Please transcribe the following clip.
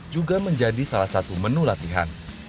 juga menjadi salah satu menu latihan